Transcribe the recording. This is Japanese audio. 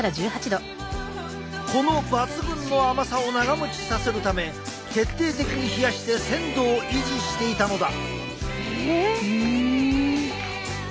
この抜群の甘さを長もちさせるため徹底的に冷やして鮮度を維持していたのだ。